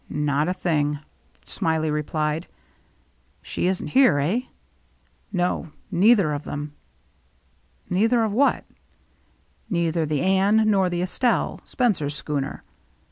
" Not a thing," Smiley replied. " She isn't here, eh ?"" No, neither of them.'* "Neither of what.?" " Neither the Anne nor the Estelky Spencer's schooner.